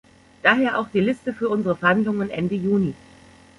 Daher auch die Liste für unsere Verhandlungen Ende Juni.